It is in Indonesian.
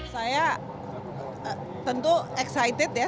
saya tentu excited ya